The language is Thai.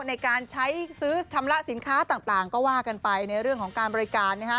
ในการใช้ซื้อชำระสินค้าต่างก็ว่ากันไปในเรื่องของการบริการนะฮะ